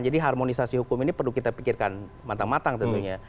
jadi harmonisasi hukum ini perlu kita pikirkan matang matang tentunya